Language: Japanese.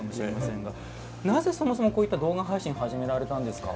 なぜそもそもこういった動画配信始められたんですか？